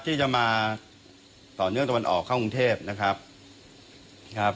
ที่จะมาต่อเนื่องตะวันออกเข้ากรุงเทพนะครับครับ